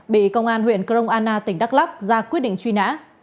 bị công an huyện crong anna tỉnh đắk lắc ra quyết định truy nã